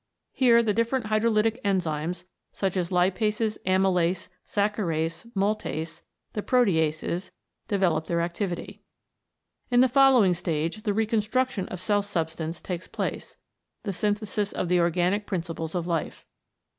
Here the different hydrolytic enzymes, such as lipases, amylase, saccharase, maltase, the proteases, develop their activity. In the following stage the reconstruction of cell substance takes place, the synthesis of the organic principles of life.